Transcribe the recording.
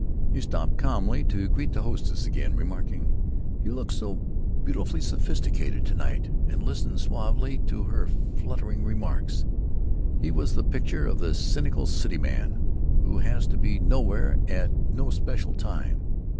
He stopped calmly to greet the hostess again, remarking, "You look so beautifully sophisticated to night," and listened suavely to her fluttering remarks. He was the picture of the cynical cityman who has to be nowhere at no especial time.